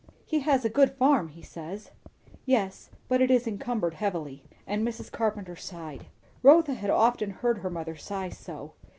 "He has a good farm, he says." "Yes, but it is encumbered heavily." And Mrs. Carpenter sighed. Rotha had often heard her mother sigh so.